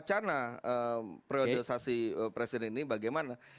bicara tentang wacana priorisasi presiden ini bagaimana